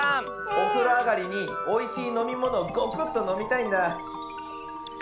おふろあがりにおいしいのみものをゴクッとのみたいんだ。